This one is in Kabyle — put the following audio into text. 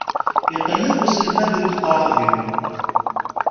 Iqelleb uselmad deg uqrab-iw.